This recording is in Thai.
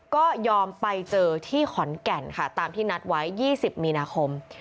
ก็ยอมไปเจอที่ขอนแก่นค่ะตามที่นัดไว้๒๐มีนาคม